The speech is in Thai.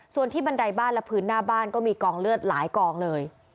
ส่วนที่บันไดบ้านและพื้นหน้าบ้านก็มีกองเลือดหลายกองเลย